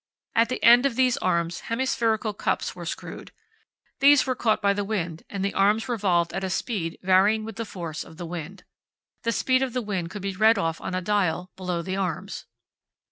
At the end of these arms hemispherical cups were screwed. These were caught by the wind and the arms revolved at a speed varying with the force of the wind. The speed of the wind could be read off on a dial below the arms.